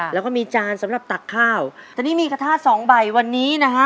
แล้วก็มีจานสำหรับตักข้าวตอนนี้มีกระทะสองใบวันนี้นะฮะ